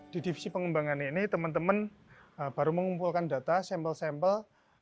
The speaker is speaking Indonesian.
di divisi pengembangan ini teman teman baru mengumpulkan data sampel sampel